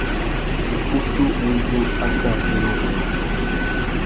Ukutu uzu a tà zu ena uffê.